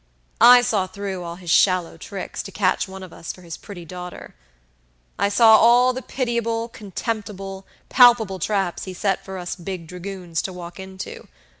I saw through all his shallow tricks to catch one of us for his pretty daughter. I saw all the pitiable, contemptible, palpable traps he set for us big dragoons to walk into.